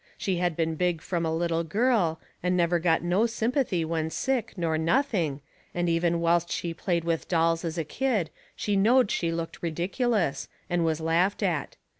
She had been big from a little girl, and never got no sympathy when sick, nor nothing, and even whilst she played with dolls as a kid she knowed she looked ridiculous, and was laughed at.